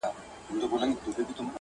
او له مځکي خړ ګردونه بادېدله -